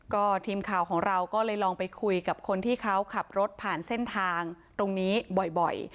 ก็ทีมข่าวของเราก็เลยลองไปคุยกับคนที่เขาขับรถผ่านเส้นทางตรงนี้บ่อย